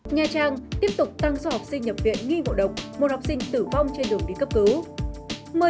nha trang tiếp tục tăng do học sinh nhập viện nghi ngộ độc một học sinh tử vong trên đường đi cấp cứu